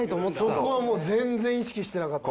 そこはもう全然意識してなかった。